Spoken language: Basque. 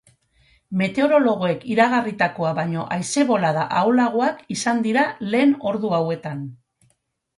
Meteorologoek iragarritakoa baino haize-bolada ahulagoak izan dira lehen ordu hauetan.